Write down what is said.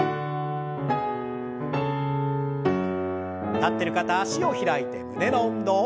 立ってる方脚を開いて胸の運動。